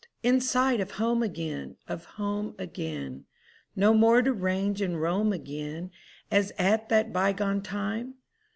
In sight of home again, Of home again; No more to range and roam again As at that bygone time?